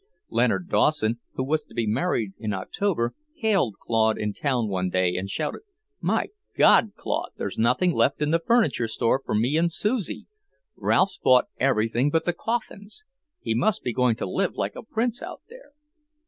Leonard Dawson, who was to be married in October, hailed Claude in town one day and shouted; "My God, Claude, there's nothing left in the furniture store for me and Susie! Ralph's bought everything but the coffins. He must be going to live like a prince out there."